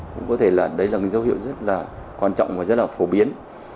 cũng có thể là đấy là cái dấu hiệu rất là quan trọng và rất là phổ biến